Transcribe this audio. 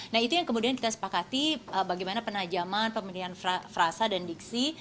nah itu yang kemudian kita sepakati bagaimana penajaman pemilihan frasa dan diksi